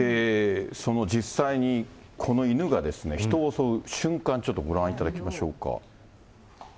その実際にこの犬が人を襲う瞬間、ちょっとご覧いただきましょうか。